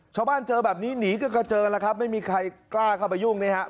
ชาวบ้านเจอแบบนี้หนีกันกระเจิงแล้วครับไม่มีใครกล้าเข้าไปยุ่งนะครับ